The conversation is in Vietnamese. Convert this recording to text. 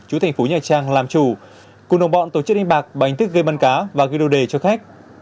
chú thành phố nhà trang làm chủ cùng đồng bọn tổ chức hình bạc bằng hình thức gây băn cá và gây đồ đề cho khách